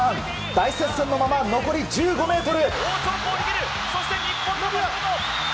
大接戦のまま残り１５ｍ。